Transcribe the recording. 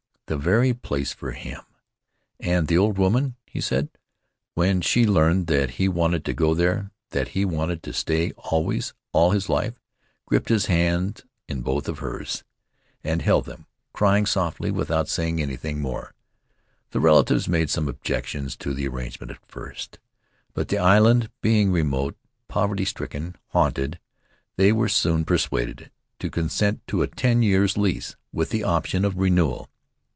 The very place for him! And the old woman, he said, when she learned that he wanted to go there, that he wanted to stay always — all his life — gripped his hands in both of hers In the Cloud of Islands and held them, crying softly, without saying anything more. The relatives made some objections to the arrangement at first. But the island being remote, poverty stricken, haunted, they were soon persuaded to consent to a ten years' lease, with the option of renewal.